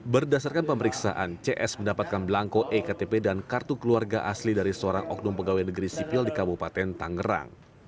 berdasarkan pemeriksaan cs mendapatkan belangko ektp dan kartu keluarga asli dari seorang oknum pegawai negeri sipil di kabupaten tangerang